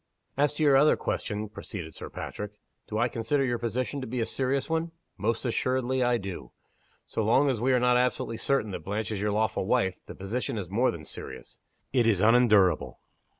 "As to your other question," proceeded Sir Patrick. "Do I consider your position to be a serious one? Most assuredly, I do! So long as we are not absolutely certain that Blanche is your lawful wife, the position is more than serious: it is unendurable.